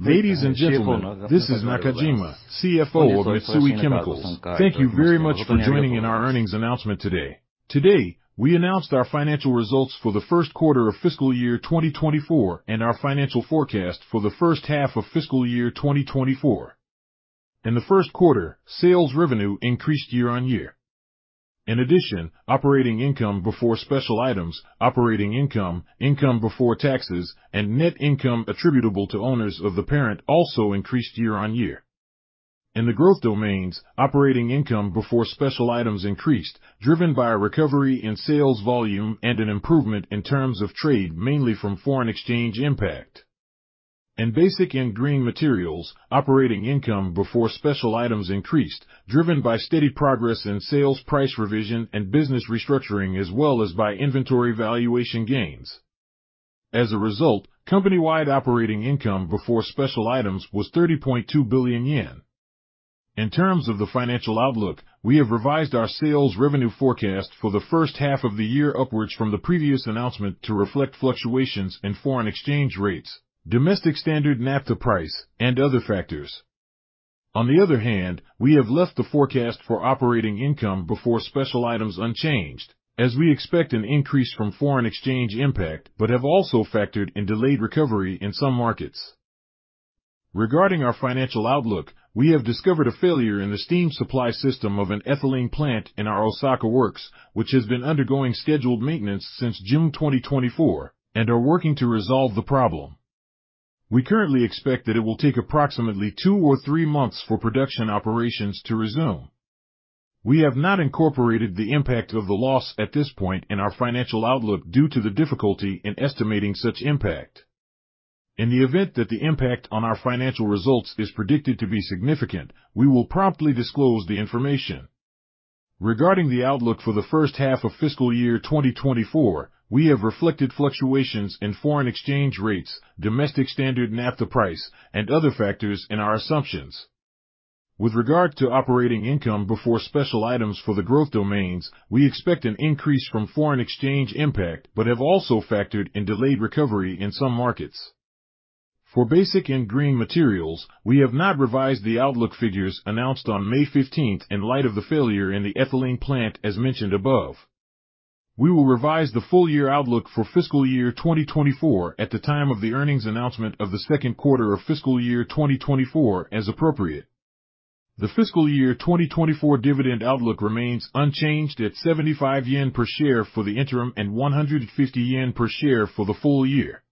Ladies and gentlemen, this is Nakajima, CFO of Mitsui Chemicals Tohcello, Inc. Thank you very much for joining in our earnings announcement today. Today, we announced our financial results for the first quarter of fiscal year 2024 and our financial forecast for the first half of fiscal year 2024. In the first quarter, sales revenue increased year-on-year. In addition, operating income before special items, operating income, income before taxes, and net income attributable to owners of the parent also increased year-on-year. In the growth domains, operating income before special items increased, driven by a recovery in sales volume and an improvement in terms of trade mainly from foreign exchange impact. In Basic & Green Materials, operating income before special items increased, driven by steady progress in sales price revision and business restructuring as well as by inventory valuation gains. As a result, company-wide operating income before special items was 30.2 billion yen. In terms of the financial outlook, we have revised our sales revenue forecast for the first half of the year upwards from the previous announcement to reflect fluctuations in foreign exchange rates, domestic standard naphtha price, and other factors. On the other hand, we have left the forecast for operating income before special items unchanged, as we expect an increase from foreign exchange impact but have also factored in delayed recovery in some markets. Regarding our financial outlook, we have discovered a failure in the steam supply system of an ethylene plant in our Osaka Works, which has been undergoing scheduled maintenance since June 2024, and are working to resolve the problem. We currently expect that it will take approximately 2 or 3 months for production operations to resume. We have not incorporated the impact of the loss at this point in our financial outlook due to the difficulty in estimating such impact. In the event that the impact on our financial results is predicted to be significant, we will promptly disclose the information. Regarding the outlook for the first half of fiscal year 2024, we have reflected fluctuations in foreign exchange rates, domestic standard naphtha price, and other factors in our assumptions. With regard to operating income before special items for the growth domains, we expect an increase from foreign exchange impact but have also factored in delayed recovery in some markets. For Basic & Green Materials, we have not revised the outlook figures announced on May 15 in light of the failure in the ethylene plant as mentioned above. We will revise the full-year outlook for fiscal year 2024 at the time of the earnings announcement of the second quarter of fiscal year 2024 as appropriate. The fiscal year 2024 dividend outlook remains unchanged at 75 yen per share for the interim and 150 yen per share for the full year.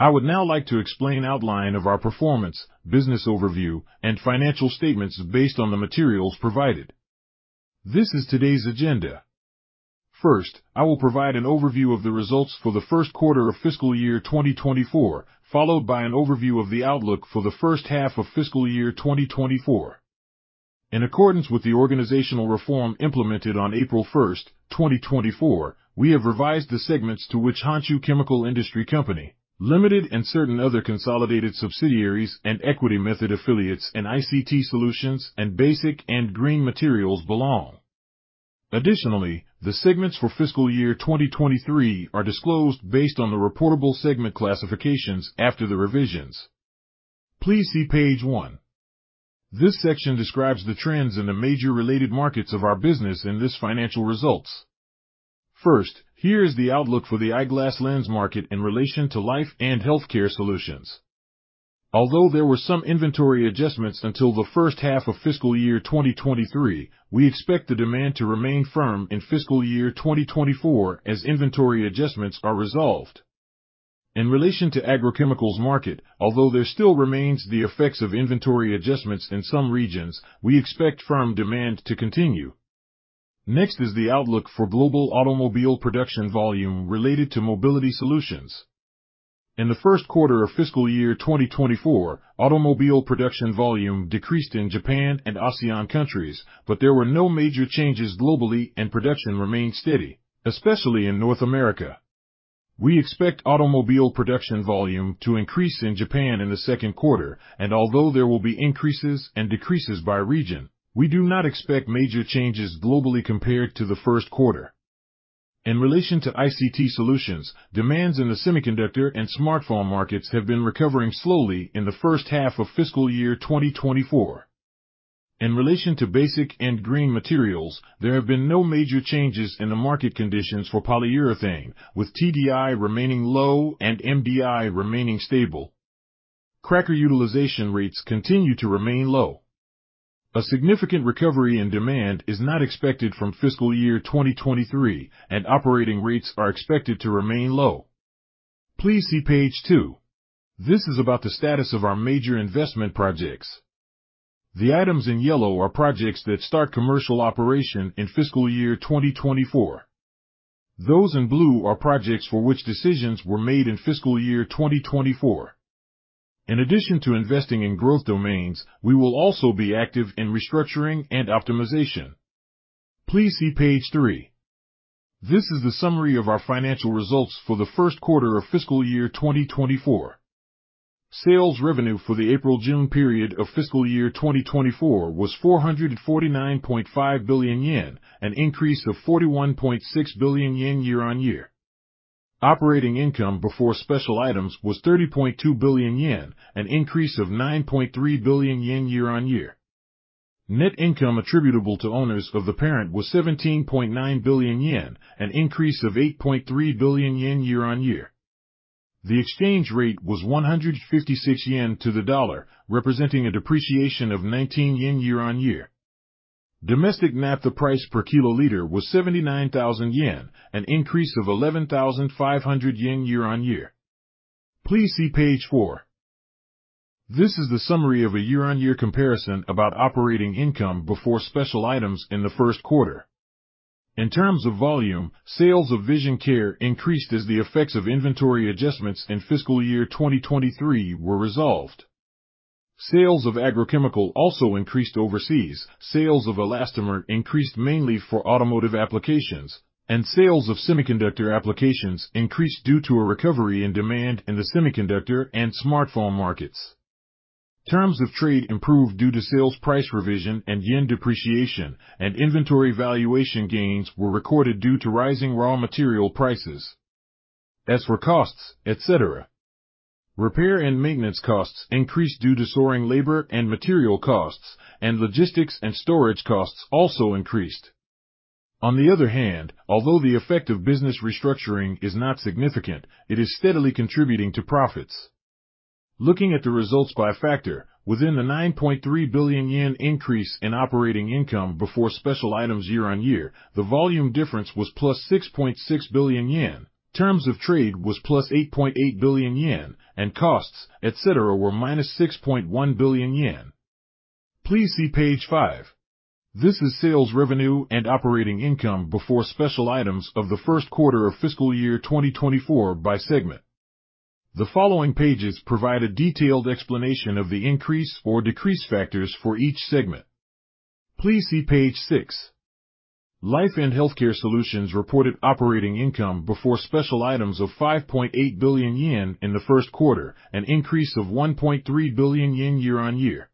I would now like to explain the outline of our performance, business overview, and financial statements based on the materials provided. This is today's agenda. First, I will provide an overview of the results for the first quarter of fiscal year 2024, followed by an overview of the outlook for the first half of fiscal year 2024. In accordance with the organizational reform implemented on April 1, 2024, we have revised the segments to which Honshu Chemical Industry Co., Ltd. and certain other consolidated subsidiaries and equity method affiliates in ICT Solutions and basic and green materials belong. Additionally, the segments for fiscal year 2023 are disclosed based on the reportable segment classifications after the revisions. Please see page 1. This section describes the trends in the major related markets of our business in this financial results. First, here is the outlook for the eyeglass lens market in relation to Life & Healthcare Solutions. Although there were some inventory adjustments until the first half of fiscal year 2023, we expect the demand to remain firm in fiscal year 2024 as inventory adjustments are resolved. In relation to the agrochemicals market, although there still remains the effects of inventory adjustments in some regions, we expect firm demand to continue. Next is the outlook for global automobile production volume related to Mobility Solutions. In the first quarter of fiscal year 2024, automobile production volume decreased in Japan and ASEAN countries, but there were no major changes globally and production remained steady, especially in North America. We expect automobile production volume to increase in Japan in the second quarter, and although there will be increases and decreases by region, we do not expect major changes globally compared to the first quarter. In relation to ICT Solutions, demands in the semiconductor and smartphone markets have been recovering slowly in the first half of fiscal year 2024. In relation to Basic & Green Materials, there have been no major changes in the market conditions for polyurethane, with TDI remaining low and MDI remaining stable. Cracker utilization rates continue to remain low. A significant recovery in demand is not expected from fiscal year 2023, and operating rates are expected to remain low. Please see page 2. This is about the status of our major investment projects. The items in yellow are projects that start commercial operation in fiscal year 2024. Those in blue are projects for which decisions were made in fiscal year 2024. In addition to investing in growth domains, we will also be active in restructuring and optimization. Please see page 3. This is the summary of our financial results for the first quarter of fiscal year 2024. Sales revenue for the April-June period of fiscal year 2024 was 449.5 billion yen, an increase of 41.6 billion yen year-on-year. Operating income before special items was 30.2 billion yen, an increase of 9.3 billion yen year-on-year. Net income attributable to owners of the parent was 17.9 billion yen, an increase of 8.3 billion yen year-on-year. The exchange rate was 156 yen to the dollar, representing a depreciation of 19 yen year-on-year. Domestic Naphtha price per kiloliter was 79,000 yen, an increase of 11,500 yen year-on-year. Please see page 4. This is the summary of a year-on-year comparison about operating income before special items in the first quarter. In terms of volume, sales of Vision Care increased as the effects of inventory adjustments in fiscal year 2023 were resolved. Sales of agrochemical also increased overseas, sales of elastomer increased mainly for automotive applications, and sales of semiconductor applications increased due to a recovery in demand in the semiconductor and smartphone markets. Terms of trade improved due to sales price revision and yen depreciation, and inventory valuation gains were recorded due to rising raw material prices, as were costs, etc. Repair and maintenance costs increased due to soaring labor and material costs, and logistics and storage costs also increased. On the other hand, although the effect of business restructuring is not significant, it is steadily contributing to profits. Looking at the results by factor, within the 9.3 billion yen increase in operating income before special items year-on-year, the volume difference was plus 6.6 billion yen, terms of trade was plus 8.8 billion yen, and costs, etc. were minus 6.1 billion yen. Please see page 5. This is sales revenue and operating income before special items of the first quarter of fiscal year 2024 by segment. The following pages provide a detailed explanation of the increase or decrease factors for each segment. Please see page 6. Life & Healthcare Solutions reported operating income before special items of 5.8 billion yen in the first quarter, an increase of 1.3 billion yen year-on-year.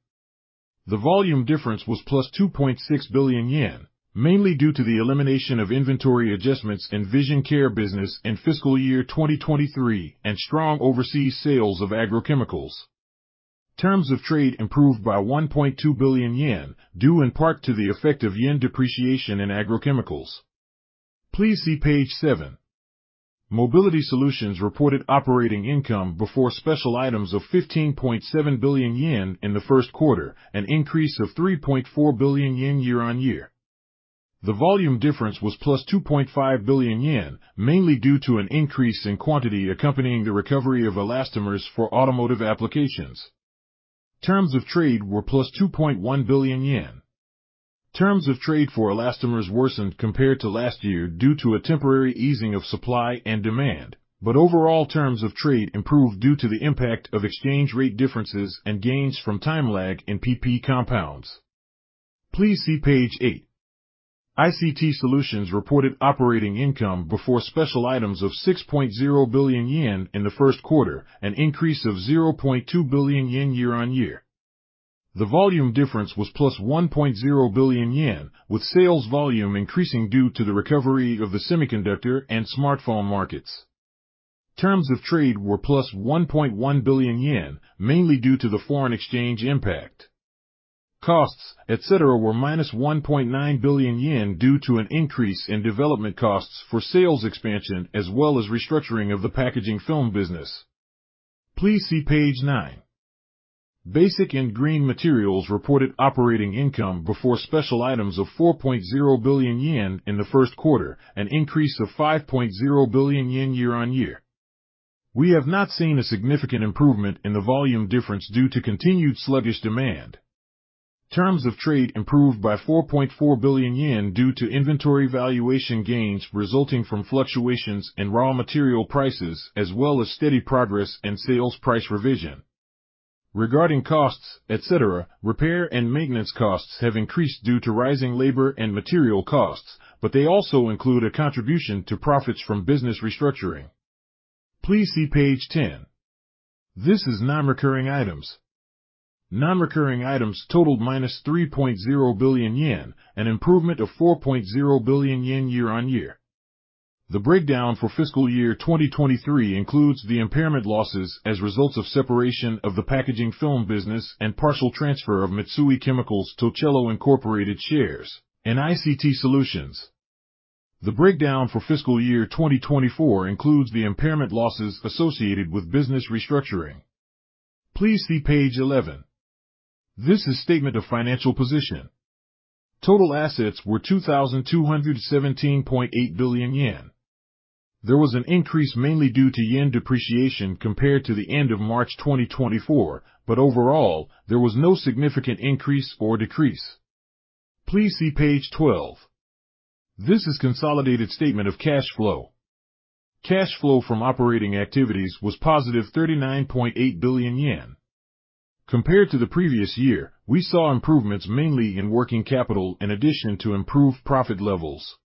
The volume difference was plus 2.6 billion yen, mainly due to the elimination of inventory adjustments in Vision Care business in fiscal year 2023 and strong overseas sales of agrochemicals. Terms of trade improved by 1.2 billion yen, due in part to the effect of yen depreciation in agrochemicals. Please see page 7. Mobility Solutions reported operating income before special items of 15.7 billion yen in the first quarter, an increase of 3.4 billion yen year-on-year. The volume difference was plus 2.5 billion yen, mainly due to an increase in quantity accompanying the recovery of elastomers for automotive applications. Terms of trade were plus 2.1 billion yen. Terms of trade for elastomers worsened compared to last year due to a temporary easing of supply and demand, but overall terms of trade improved due to the impact of exchange rate differences and gains from time lag in PP compounds. Please see page 8. ICT Solutions reported operating income before special items of 6.0 billion yen in the first quarter, an increase of 0.2 billion yen year-on-year. The volume difference was plus 1.0 billion yen, with sales volume increasing due to the recovery of the semiconductor and smartphone markets. Terms of trade were plus 1.1 billion yen, mainly due to the foreign exchange impact. Costs, etc. were minus 1.9 billion yen due to an increase in development costs for sales expansion as well as restructuring of the packaging film business. Please see page 9. Basic & Green Materials reported operating income before special items of 4.0 billion yen in the first quarter, an increase of 5.0 billion yen year-on-year. We have not seen a significant improvement in the volume difference due to continued sluggish demand. Terms of trade improved by 4.4 billion yen due to inventory valuation gains resulting from fluctuations in raw material prices as well as steady progress in sales price revision. Regarding costs, etc., repair and maintenance costs have increased due to rising labor and material costs, but they also include a contribution to profits from business restructuring. Please see page 10. This is non-recurring items. Non-recurring items totaled -3.0 billion yen, an improvement of 4.0 billion yen year-on-year. The breakdown for fiscal year 2023 includes the impairment losses as results of separation of the packaging film business and partial transfer of Mitsui Chemicals Tocello, Inc. shares in ICT Solutions. The breakdown for fiscal year 2024 includes the impairment losses associated with business restructuring. Please see page 11. This is statement of financial position. Total assets were 2,217.8 billion yen. There was an increase mainly due to yen depreciation compared to the end of March 2024, but overall, there was no significant increase or decrease. Please see page 12. This is consolidated statement of cash flow. Cash flow from operating activities was positive 39.8 billion yen. Compared to the previous year, we saw improvements mainly in working capital in addition to improved profit levels.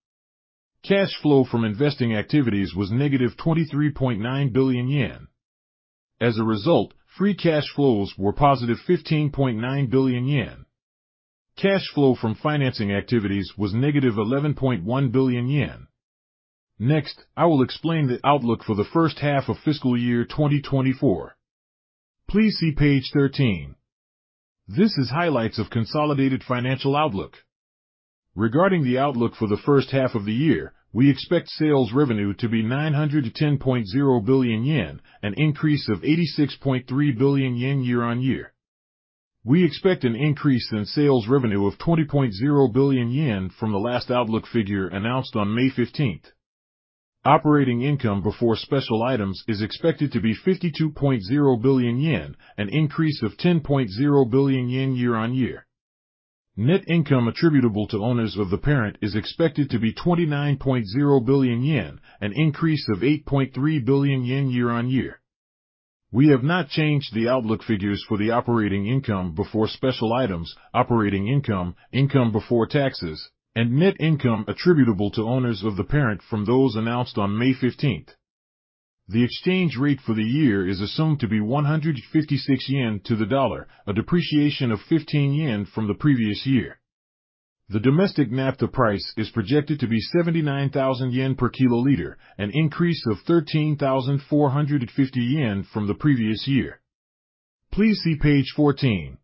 Cash flow from investing activities was negative 23.9 billion yen. As a result, free cash flows were positive 15.9 billion yen. Cash flow from financing activities was negative 11.1 billion yen. Next, I will explain the outlook for the first half of fiscal year 2024. Please see page 13. This is highlights of consolidated financial outlook. Regarding the outlook for the first half of the year, we expect sales revenue to be 910.0 billion yen, an increase of 86.3 billion yen year-on-year. We expect an increase in sales revenue of 20.0 billion yen from the last outlook figure announced on May 15. Operating income before special items is expected to be 52.0 billion yen, an increase of 10.0 billion yen year-on-year. Net income attributable to owners of the parent is expected to be 29.0 billion yen, an increase of 8.3 billion yen year-on-year. We have not changed the outlook figures for the operating income before special items, operating income, income before taxes, and net income attributable to owners of the parent from those announced on May 15. The exchange rate for the year is assumed to be 156 yen to the USD, a depreciation of 15 yen from the previous year. The domestic naphtha price is projected to be 79,000 yen per kiloliter, an increase of 13,450 yen from the previous year. Please see page 14.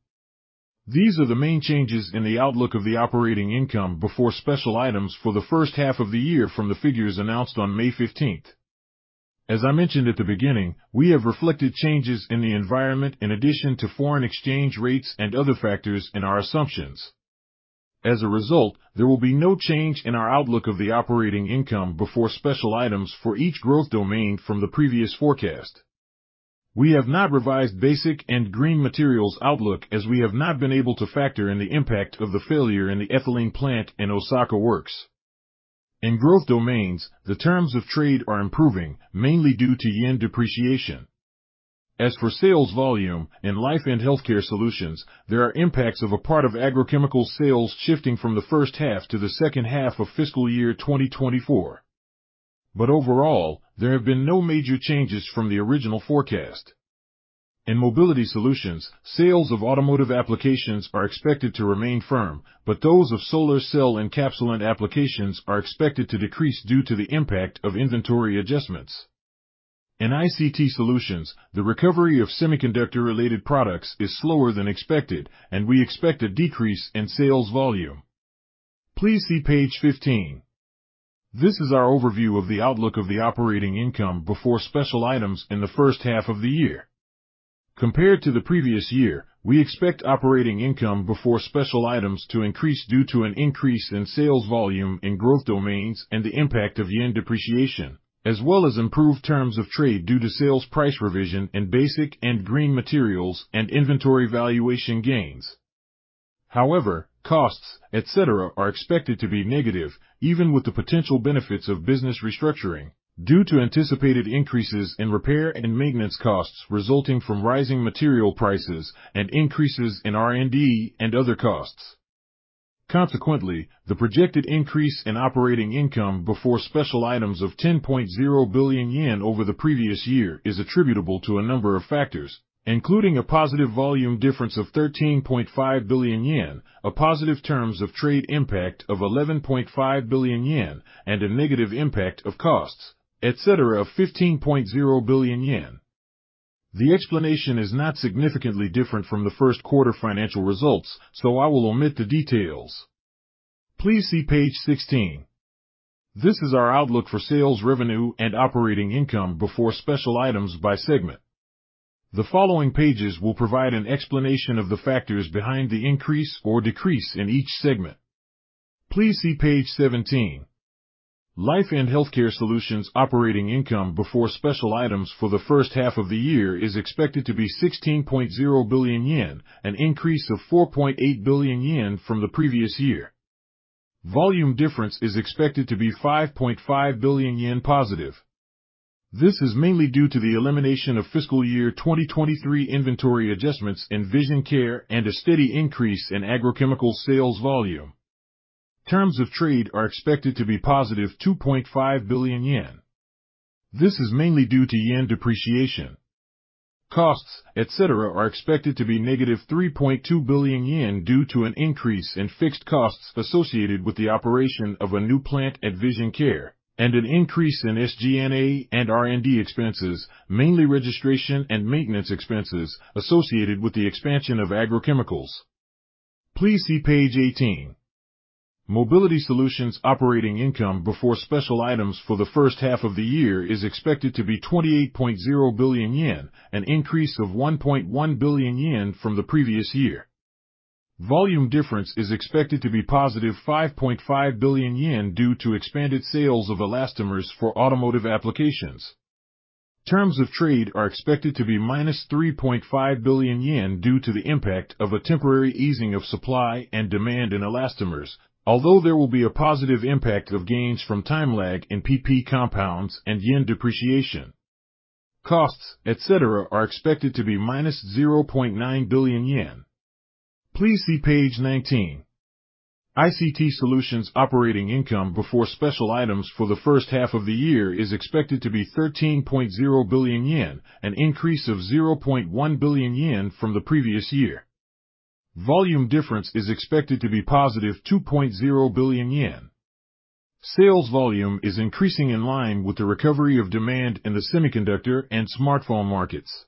These are the main changes in the outlook of the operating income before special items for the first half of the year from the figures announced on May 15. As I mentioned at the beginning, we have reflected changes in the environment in addition to foreign exchange rates and other factors in our assumptions. As a result, there will be no change in our outlook of the operating income before special items for each growth domain from the previous forecast. We have not revised Basic & Green Materials outlook as we have not been able to factor in the impact of the failure in the ethylene plant in Osaka works. In growth domains, the terms of trade are improving, mainly due to yen depreciation. As for sales volume, in Life & Healthcare Solutions, there are impacts of a part of agrochemical sales shifting from the first half to the second half of fiscal year 2024. But overall, there have been no major changes from the original forecast. In Mobility Solutions, sales of automotive applications are expected to remain firm, but those of solar cell and encapsulant applications are expected to decrease due to the impact of inventory adjustments. In ICT Solutions, the recovery of semiconductor-related products is slower than expected, and we expect a decrease in sales volume. Please see page 15. This is our overview of the outlook of the operating income before special items in the first half of the year. Compared to the previous year, we expect operating income before special items to increase due to an increase in sales volume in growth domains and the impact of yen depreciation, as well as improved terms of trade due to sales price revision in Basic and Green Materials and inventory valuation gains. However, costs, etc. are expected to be negative, even with the potential benefits of business restructuring, due to anticipated increases in repair and maintenance costs resulting from rising material prices and increases in R&D and other costs. Consequently, the projected increase in operating income before special items of 10.0 billion yen over the previous year is attributable to a number of factors, including a positive volume difference of 13.5 billion yen, a positive terms of trade impact of 11.5 billion yen, and a negative impact of costs, etc. of 15.0 billion yen. The explanation is not significantly different from the first quarter financial results, so I will omit the details. Please see page 16. This is our outlook for sales revenue and operating income before special items by segment. The following pages will provide an explanation of the factors behind the increase or decrease in each segment. Please see page 17. Life and Healthcare Solutions operating income before special items for the first half of the year is expected to be 16.0 billion yen, an increase of 4.8 billion yen from the previous year. Volume difference is expected to be 5.5 billion yen positive. This is mainly due to the elimination of fiscal year 2023 inventory adjustments in Vision Care and a steady increase in agrochemical sales volume. Terms of trade are expected to be positive 2.5 billion yen. This is mainly due to yen depreciation. Costs, etc. are expected to be -3.2 billion yen due to an increase in fixed costs associated with the operation of a new plant at Vision Care, and an increase in SG&A and R&D expenses, mainly registration and maintenance expenses, associated with the expansion of agrochemicals. Please see page 18. Mobility Solutions operating income before special items for the first half of the year is expected to be 28.0 billion yen, an increase of 1.1 billion yen from the previous year. Volume difference is expected to be +5.5 billion yen due to expanded sales of Elastomers for automotive applications. Terms of trade are expected to be -3.5 billion yen due to the impact of a temporary easing of supply and demand in Elastomers, although there will be a positive impact of gains from time lag in PP compounds and yen depreciation. Costs, etc. are expected to be -0.9 billion yen. Please see page 19. ICT Solutions operating income before special items for the first half of the year is expected to be 13.0 billion yen, an increase of 0.1 billion yen from the previous year. Volume difference is expected to be +2.0 billion yen. Sales volume is increasing in line with the recovery of demand in the semiconductor and smartphone markets.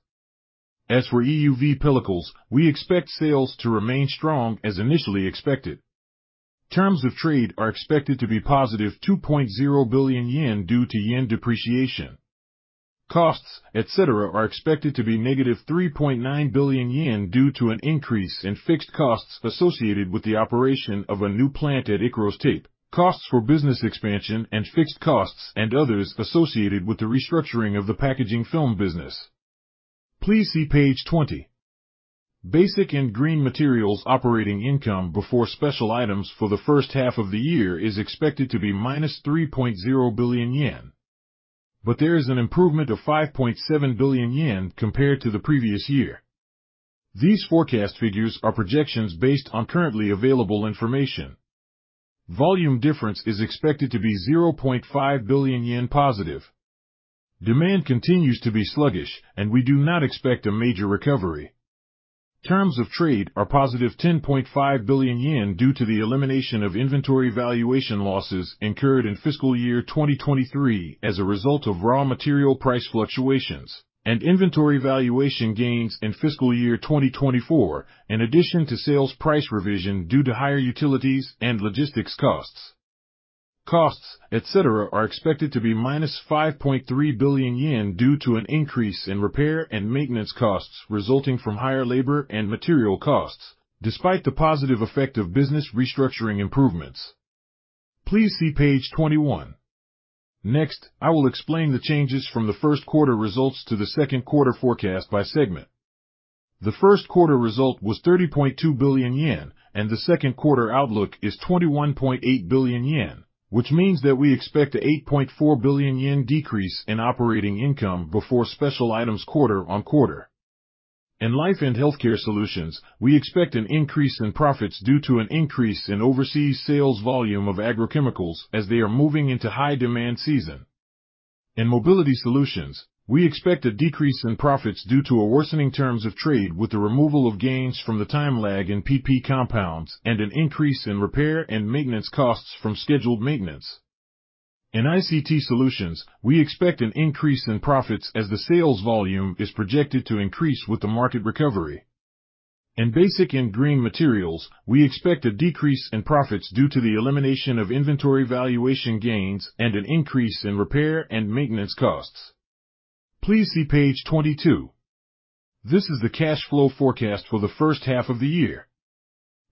As for EUV pellicles, we expect sales to remain strong as initially expected. Terms of trade are expected to be +2.0 billion yen due to yen depreciation. Costs, etc. are expected to be -3.9 billion yen due to an increase in fixed costs associated with the operation of a new plant at ICROS Tape, costs for business expansion and fixed costs and others associated with the restructuring of the packaging film business. Please see page 20. Basic & Green Materials operating income before special items for the first half of the year is expected to be -3.0 billion yen. But there is an improvement of 5.7 billion yen compared to the previous year. These forecast figures are projections based on currently available information. Volume difference is expected to be +0.5 billion yen positive. Demand continues to be sluggish, and we do not expect a major recovery. Terms of trade are positive +10.5 billion yen due to the elimination of inventory valuation losses incurred in fiscal year 2023 as a result of raw material price fluctuations, and inventory valuation gains in fiscal year 2024, in addition to sales price revision due to higher utilities and logistics costs. Costs, etc. are expected to be -5.3 billion yen due to an increase in repair and maintenance costs resulting from higher labor and material costs, despite the positive effect of business restructuring improvements. Please see page 21. Next, I will explain the changes from the first quarter results to the second quarter forecast by segment. The first quarter result was 30.2 billion yen, and the second quarter outlook is 21.8 billion yen, which means that we expect a 8.4 billion yen decrease in operating income before special items quarter-on-quarter. In Life & Healthcare Solutions, we expect an increase in profits due to an increase in overseas sales volume of agrochemicals as they are moving into high demand season. In Mobility Solutions, we expect a decrease in profits due to a worsening terms of trade with the removal of gains from the time lag in PP compounds and an increase in repair and maintenance costs from scheduled maintenance. In ICT Solutions, we expect an increase in profits as the sales volume is projected to increase with the market recovery. In Basic & Green Materials, we expect a decrease in profits due to the elimination of inventory valuation gains and an increase in repair and maintenance costs. Please see page 22. This is the cash flow forecast for the first half of the year.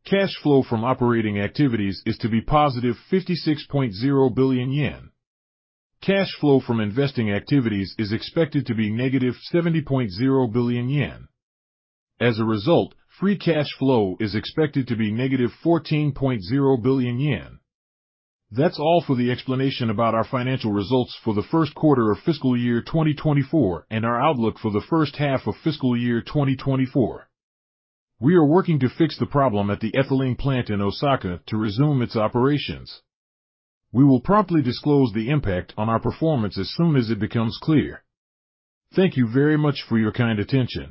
Cash flow from operating activities is to be positive 56.0 billion yen. Cash flow from investing activities is expected to be negative 70.0 billion yen. As a result, free cash flow is expected to be negative 14.0 billion yen. That's all for the explanation about our financial results for the first quarter of fiscal year 2024 and our outlook for the first half of fiscal year 2024. We are working to fix the problem at the ethylene plant in Osaka to resume its operations. We will promptly disclose the impact on our performance as soon as it becomes clear. Thank you very much for your kind attention.